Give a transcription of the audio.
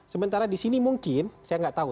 sementara di sini mungkin saya nggak tahu